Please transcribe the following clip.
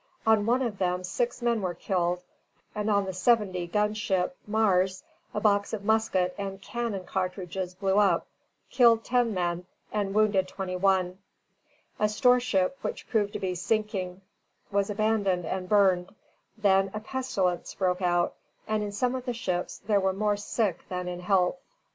On one of them six men were killed, and on the seventy gun ship "Mars" a box of musket and cannon cartridges blew up, killed ten men, and wounded twenty one. A storeship which proved to be sinking was abandoned and burned. Then a pestilence broke out, and in some of the ships there were more sick than in health.